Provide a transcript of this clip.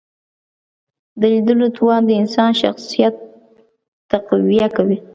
د لیدلو توان د انسان شخصیت تقویه کوي